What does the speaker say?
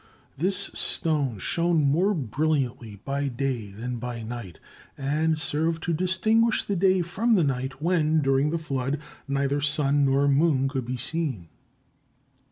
This stone shone more brilliantly by day than by night, and served to distinguish the day from the night when, during the flood, neither sun nor moon could be seen.